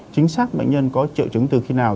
chính xác bệnh nhân có triệu chứng từ khi nào